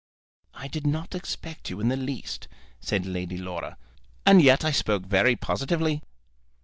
"I did not expect you in the least," said Lady Laura. "And yet I spoke very positively."